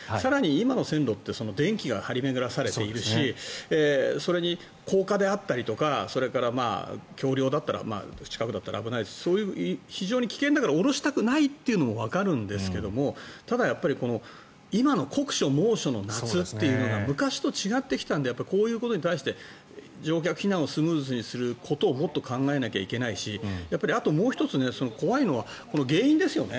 今の線路って電気が張り巡らされているしそれに高架であったりとかそれから橋梁だったら近くだったら危ないしそういう、非常に危険だから降ろしたくないというのもわかるんですがただ、やっぱり今の酷暑、猛暑の夏というのが昔と違ってきたのでこういうことに対して乗客避難をスムーズにすることをもっと考えなきゃいけないしあともう１つ怖いのは原因ですよね。